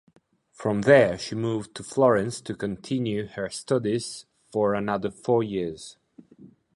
From there she moved to Florence to continue her studies for another four years.